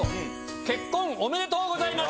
結婚おめでとうございます！